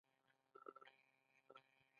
د یو روښانه سباوون په لور.